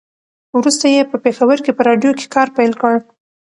وروسته یې په پېښور کې په راډيو کې کار پیل کړ.